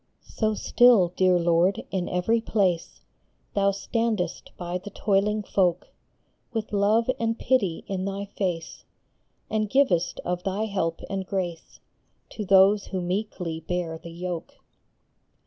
So still, dear Lord, in every place Thou standest by the toiling folk With love and pity in thy face, And givest of thy help and grace To those who meekly bear the yoke.